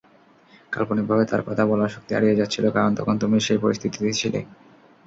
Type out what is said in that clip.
কাল্পনিকভাবে তার কথা বলার শক্তি হারিয়ে যাচ্ছিল কারণ তখন তুমি সেই পরিস্থিতিতে ছিলে।